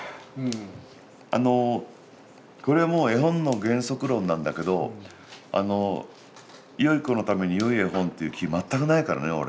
あのこれはもう絵本の原則論なんだけどよい子のためによい絵本っていう気全くないからね俺。